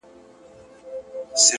هر فکر یو احتمالي راتلونکی دی،